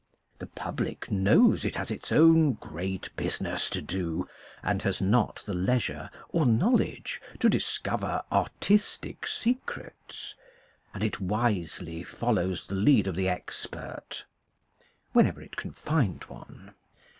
The public knows it has its own great business to do, and has not the leisure or knowledge to discover artistic secrets : and it wisely follows the lead of the expert whenever it can find one.